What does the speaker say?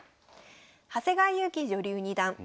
長谷川優貴女流二段。